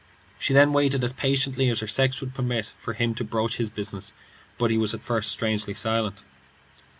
She then waited as patiently as her sex would permit, for him to broach his business, but he was at first strangely silent.